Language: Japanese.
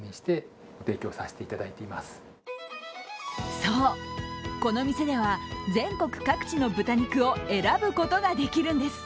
そう、この店では全国各地の豚肉を選ぶことができるんです。